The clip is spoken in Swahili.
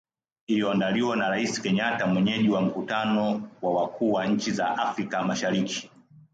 iliyoandaliwa na Rais Kenyatta mwenyeji wa mkutano wa wakuu wa nchi za Afrika mashariki